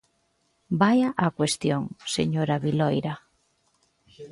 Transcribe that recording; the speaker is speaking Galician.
Vaia á cuestión, señora Viloira.